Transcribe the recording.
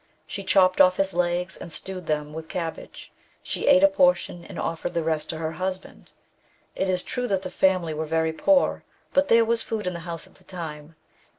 She chopped off his legs and stewed them with cabbage. She ate a portion, and offered the rest to her husband. It is true that the family were very poor, but there was food in the house at the time.